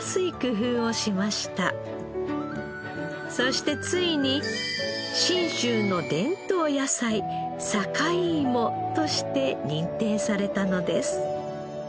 そしてついに信州の伝統野菜「坂井芋」として認定されたのです。